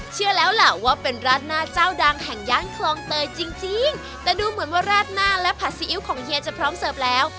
เชื่อแล้วล่ะว่าเป็นราดหน้าเจ้าดังแห่งย่านคลองเตยจริงจริงแต่ดูเหมือนว่าราดหน้าและผัดซีอิ๊วของเฮียจะพร้อมเสิร์ฟแล้ว